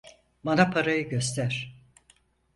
Bana parayı göster!